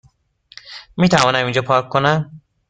میتوانم اینجا پارک کنم؟